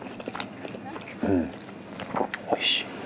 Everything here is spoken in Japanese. おいしい。